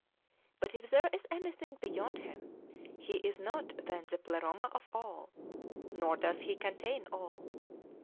But if there is anything beyond Him, He is not then the Pleroma of all, nor 4oes He contain all.